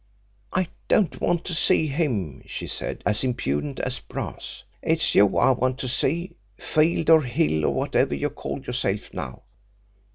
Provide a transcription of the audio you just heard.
'I don't want to see him,' she said, as impudent as brass. 'It's you I want to see, Field or Hill or whatever you call yourself now.'